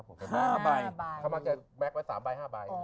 คำนั้นจะแบ็คไว้๓ใบ๕ใบ